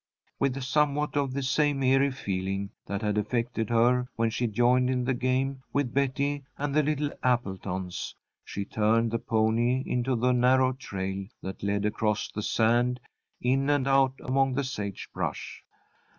_" With somewhat of the same eerie feeling that had affected her when she joined in the game with Betty and the little Appletons, she turned the pony into the narrow trail that led across the sand in and out among the sage brush.